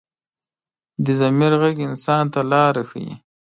د ضمیر غږ انسان ته لاره ښيي